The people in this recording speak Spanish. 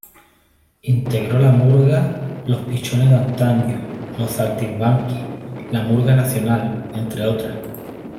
Integró la murga "Los Pichones de Antaño", "Los Saltimbanquis", "La Milonga Nacional", entre otras.